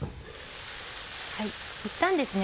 いったんですね